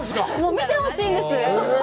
見てほしいんです。